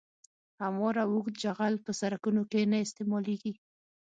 هموار او اوږد جغل په سرکونو کې نه استعمالیږي